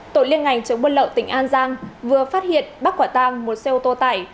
tổ liên ngành chống buôn lậu tỉnh an giang vừa phát hiện bắt quả tang một xe ô tô tải